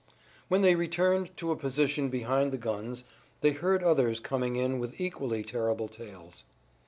When they returned to a position behind the guns they heard others coming in with equally terrible tales.